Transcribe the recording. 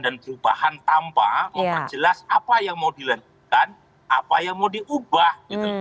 dan perubahan tanpa memperjelas apa yang mau dilakukan apa yang mau diubah